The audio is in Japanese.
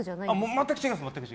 全く違います。